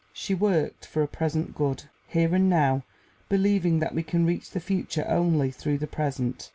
She worked for a present good, here and now, believing that we can reach the future only through the present.